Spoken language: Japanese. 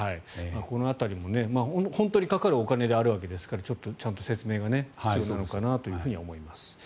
この辺りも本当にかかるお金であるわけですからちょっとちゃんと説明が必要なのかなと思います。